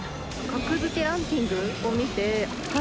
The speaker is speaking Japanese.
「格付けランキング」を見て外さない。